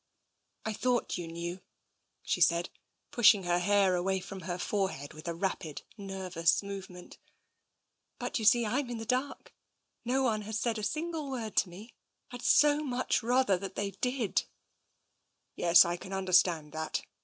" I thought you knew," she said, pushing her hair away from her forehead with a rapid, nervous move ment. " But you see Fm in the dark. No one has said a single word to me. I'd so much rather they did." " Yes, I can understand that.